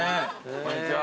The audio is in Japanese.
こんにちは！